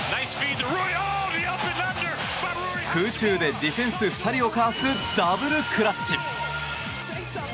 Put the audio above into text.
空中でディフェンス２人をかわすダブルクラッチ。